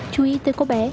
chú ý tới cô bé